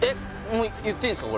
もう言っていいんですか？